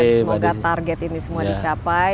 semoga target ini semua dicapai